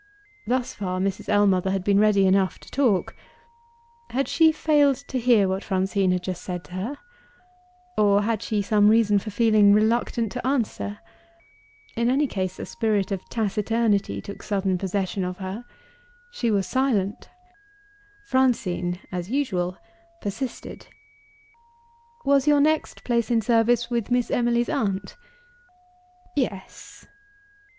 Thus far, Mrs. Ellmother had been ready enough to talk. Had she failed to hear what Francine had just said to her? or had she some reason for feeling reluctant to answer? In any case, a spirit of taciturnity took sudden possession of her she was silent. Francine (as usual) persisted. "Was your next place in service with Miss Emily's aunt?" "Yes."